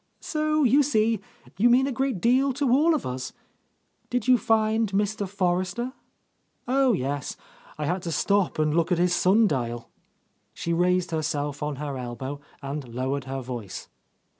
"So, you see, you mean a great deal to all of us. Did you find Mr. For rester ?" "Oh, yesl I had to stop and look at his sun dial." She raised herself on her elbow and lowered her voice.